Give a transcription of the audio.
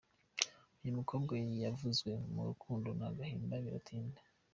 Uyu mukobwa yavuzwe mu rukundo na Gahima biratinda.